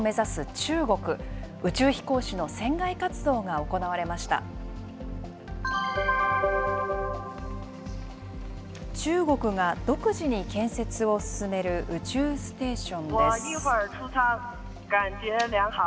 中国が独自に建設を進める宇宙ステーションです。